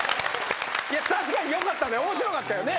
確かによかった。面白かったよね。